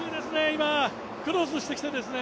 今、クロスしてきてですね